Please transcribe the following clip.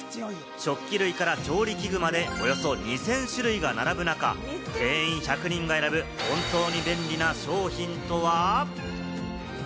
食器類から調理器具まで、およそ２０００種類が並ぶ中、店員１００人が選ぶ、本当に便利な商品とは？